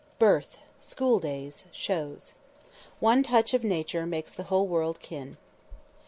BIRTH. SCHOOL DAYS. SHOWS. _"One touch of Nature makes the whole world kin."